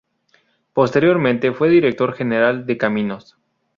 Posteriormente fue director general de Caminos.